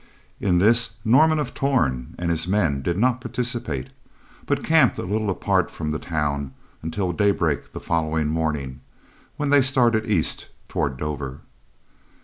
In this, Norman of Torn and his men did not participate, but camped a little apart from the town until daybreak the following morning, when they started east, toward Dover.